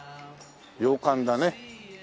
洋館だね。